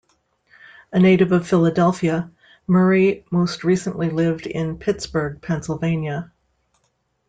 A native of Philadelphia, Murray most recently lived in Pittsburgh, Pennsylvania.